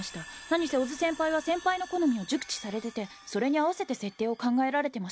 何せ小津先輩は先輩の好みを熟知されててそれに合わせて設定を考えられてましたから。